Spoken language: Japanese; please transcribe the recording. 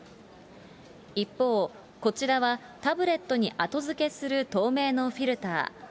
一方、こちらはタブレットに後付けする透明のフィルター。